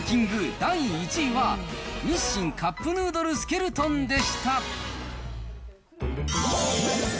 第１位は、日清カップヌードルスケルトンでした。